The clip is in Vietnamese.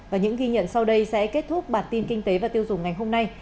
và những ghi nhận sau đây sẽ kết thúc bản tin kinh tế và tiêu dùng ngày hôm nay